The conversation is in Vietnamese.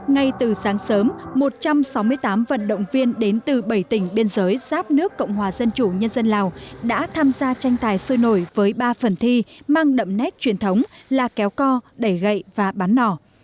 ngay từ sáng sớm một trăm sáu mươi tám vận động viên đến từ bảy tỉnh biên giới giáp nước cộng hòa dân chủ nhân dân lào đã tham gia tranh tài sôi nổi với ba phần thi mang đậm nét truyền thống là kéo co đẩy gậy và bắn nỏ